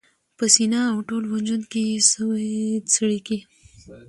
په سینه او ټول وجود کي یې سوې څړیکي